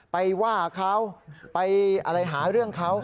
ไปว่าเขาไปอะไรหาเรื่องเขา